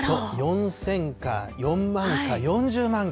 ４０００か、４万か、４０万か。